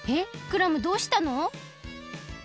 クラムどうしたの？